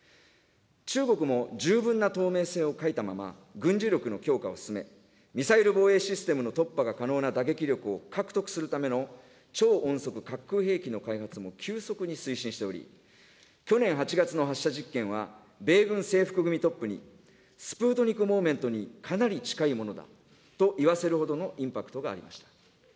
中国も十分な透明性を欠いたまま、軍事力の強化を進め、ミサイル防衛システムの突破が可能な打撃力を獲得するための超音速滑空兵器の開発も急速に推進しており、去年８月の発射実験は、米軍制服組トップに、スプートニク・モーメントにかなり近いものだと言わせるほどのインパクトがありました。